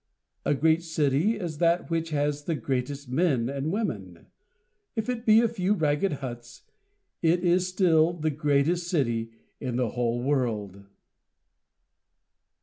A great city is that which has the greatest men and women, If it be a few ragged huts it is still the greatest city in the whole world.